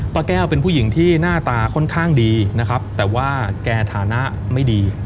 ป้าแก้วเป็นผู้หญิงที่หน้าตาค่อนข้างดีนะครับแต่ว่าแกฐานะไม่ดี